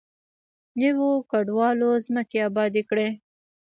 نویو کډوالو ځمکې ابادې کړې.